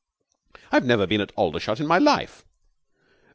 "I've never been at Aldershot in my life."